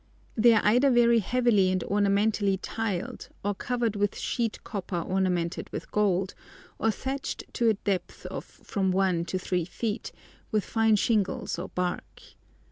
They are either very heavily and ornamentally tiled, or covered with sheet copper ornamented with gold, or thatched to a depth of from one to three feet, with fine shingles or bark.